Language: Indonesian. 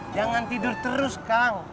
jangan tidur terus kang